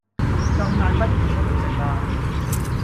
咁晏不如出去食啦